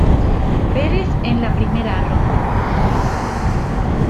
Perez en la primera ronda.